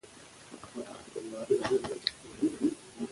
دا ژورنال په لومړي ځل په اتلس سوه څلور اتیا کال کې خپور شو.